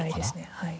はい。